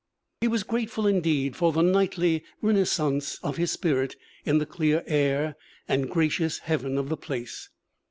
He was grateful indeed for the nightly renascence of his spirit in the clear air and gracious heaven of the place.